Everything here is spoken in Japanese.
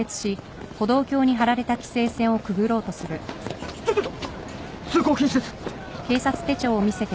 ちょっちょちょちょっ通行禁止です。